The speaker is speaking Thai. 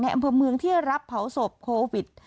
อำเภอเมืองที่รับเผาศพโควิด